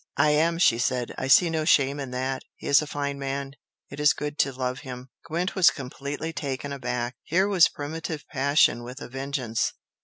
"I am!" she said "I see no shame in that! He is a fine man it is good to love him!" Gwent was completely taken aback. Here was primitive passion with a vengeance!